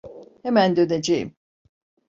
Hemen döneceğim.